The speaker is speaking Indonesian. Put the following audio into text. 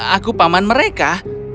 aku paman mereka